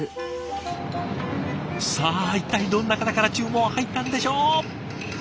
さあ一体どんな方から注文入ったんでしょう？